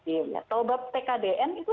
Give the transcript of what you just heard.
dilihat tkdn itu